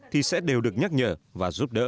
thì sẽ đều được nhắc nhở và giúp đỡ